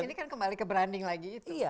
ini kan kembali ke branding lagi itu